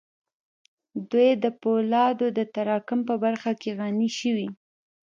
دوی د پولادو د تراکم په برخه کې غني شوې